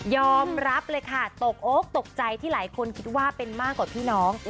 รับเลยค่ะตกโอ๊คตกใจที่หลายคนคิดว่าเป็นมากกว่าพี่น้อง